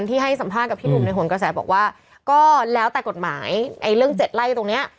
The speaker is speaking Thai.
แต่ปกติก็โดนยึดคืนนั่นแหละ